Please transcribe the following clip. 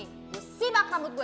gue simak rambut gue